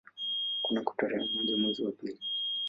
Kunako tarehe moja mwezi wa pili